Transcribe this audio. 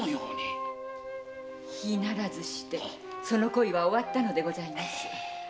日ならずしてその恋は終わったのでございます。